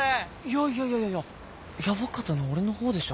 いやいやいやいややばかったの俺の方でしょ